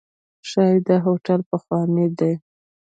ښایي دا هوټل پخوانی دی.